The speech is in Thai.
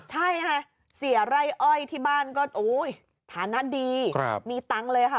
ใช่ค่ะเสียไร่อ้อยที่บ้านก็ฐานะดีมีตังค์เลยค่ะ